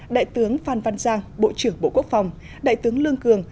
đại tướng phan văn giang bộ trưởng bộ quốc phòng đại tướng lương cường